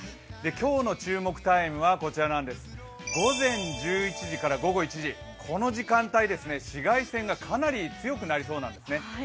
今日の注目タイムは午前１１時から午後１時この時間帯、紫外線がかなり強くなりそうなんですね。